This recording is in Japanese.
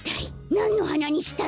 なんのはなにしたの？